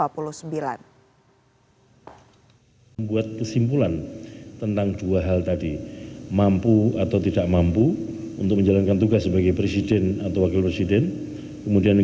pemilihan tiga hari ini kemudian dilakukan oleh tim perpustakaan dan pemeriksaan